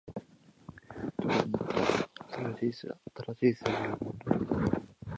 どこかに行った。それは事実だ。ただ、事実だけが頭の中に残っている。